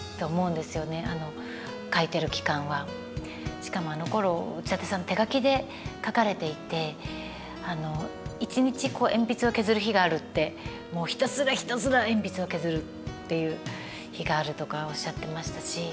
しかもあのころ内館さん手書きで書かれていて一日鉛筆を削る日があるってもうひたすらひたすら鉛筆を削るっていう日があるとかおっしゃってましたし。